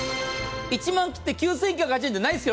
１万切って９８００円じゃないですよ。